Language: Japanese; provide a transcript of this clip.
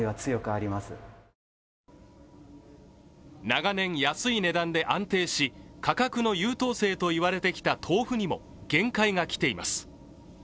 長年、安い値段で安定し価格の優等生と言われた豆腐にも限界がきています。